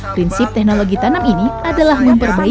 prinsip teknologi tanam ini adalah memperbaiki